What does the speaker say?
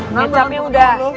nggak tapi udah